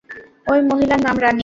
ওই মহিলার নাম রানী।